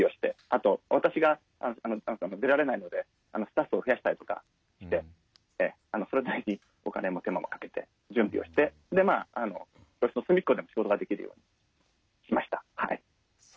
あと私が出られないのでスタッフを増やしたりとかしてそれなりにお金も手間もかけて準備をして教室の隅っこでも仕事ができるようにしました。